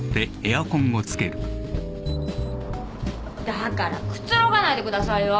だからくつろがないでくださいよ。